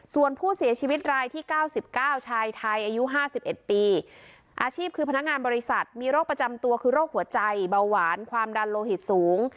ส่วนผู้เสียชีวิตรายที่๙๙ชายไทยอายุ๕๑ปีอาชีพคือพนักงานบริษัทมีโรคประจำตัวคือโรคหัวใจเบาหวานความดันโลหิตสูง